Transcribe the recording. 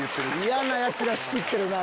嫌なヤツが仕切ってるな。